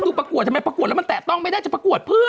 ทำไมปรากฎแล้วมันแทะต้องไม่ได้จะปรากฎเพื่อ